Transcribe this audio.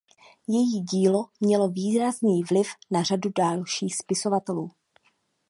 Její dílo mělo výrazný vliv na řadu dalších spisovatelů.